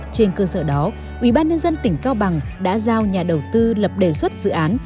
trên cơ sở đó ubnd tỉnh cao bằng đã giao nhà đầu tư lập đề xuất dự án